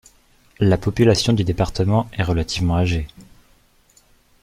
La population du département est relativement âgée.